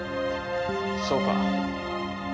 そうか。